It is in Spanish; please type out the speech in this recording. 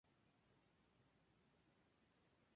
Al año siguiente, "Hello!